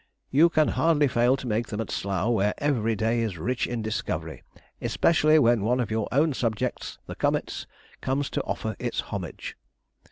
You can hardly fail to make them at Slough, where every day is rich in discovery, especially when one of your own subjects—the comets—comes to offer its homage.